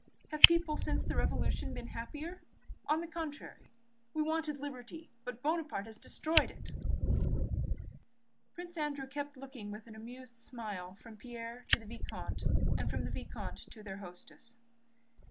Have people since the Revolution become happier? On the contrary. We wanted liberty, but Buonaparte has destroyed it." Prince Andrew kept looking with an amused smile from Pierre to the vicomte and from the vicomte to their hostess.